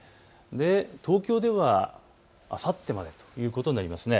東京ではあさってまでということになります。